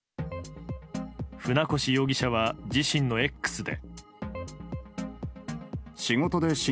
船越容疑者は自身のＸで。